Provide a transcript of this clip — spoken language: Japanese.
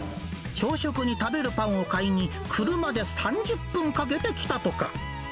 朝食に食べるパンを買いに、車で３０分かけて来たとか。